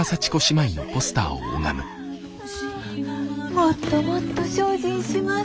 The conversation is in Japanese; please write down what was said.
もっともっと精進します。